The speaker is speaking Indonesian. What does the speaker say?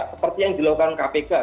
seperti yang dilakukan kpk